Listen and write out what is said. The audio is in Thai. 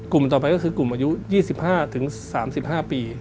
ต่อไปก็คือกลุ่มอายุ๒๕๓๕ปี